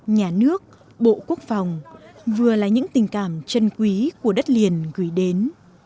nhà nước bộ quốc phòng vừa là những tình cảm chân quý của đất liền gửi đến